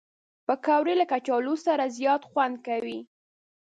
پکورې له کچالو سره زیات خوند کوي